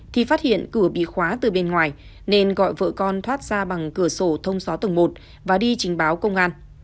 thì phát hiện cửa bị khóa từ bên ngoài nên gọi vợ con thoát ra bằng cửa sổ thông sáu tầng một và đi trình báo công an